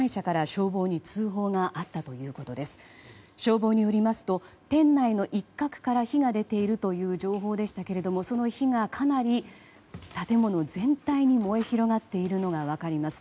消防によりますと店内の一角から火が出ているという情報でしたけれどもその火がかなり建物全体に燃え広がっているのが分かります。